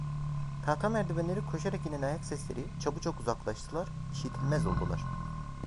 Tahta merdivenleri koşarak inen ayak sesleri çabucak uzaklaştılar, işitilmez oldular.